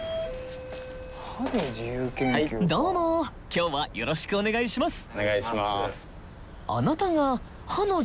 どうも今日はよろしくお願いします。